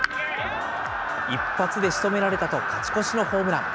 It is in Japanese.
１発でしとめられたと勝ち越しのホームラン。